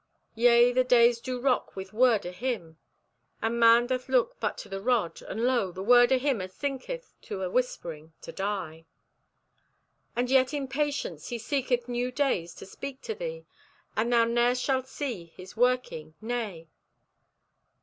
"Yea, the days do rock with word o' Him, and man doth look but to the rod, and lo, the word o' Him asinketh to a whispering, to die. "And yet, in patience, He seeketh new days to speak to thee. And thou ne'er shalt see His working. Nay!